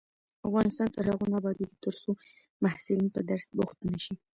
افغانستان تر هغو نه ابادیږي، ترڅو محصلین په درس بوخت نشي.